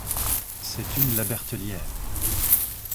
C’est une La Bertellière.